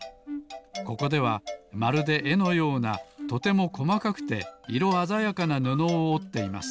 ここではまるでえのようなとてもこまかくていろあざやかなぬのをおっています。